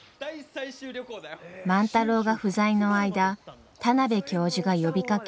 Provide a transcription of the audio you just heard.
万太郎が不在の間田邊教授が呼びかけ